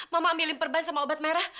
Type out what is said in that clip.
mama milih perban sama obat merah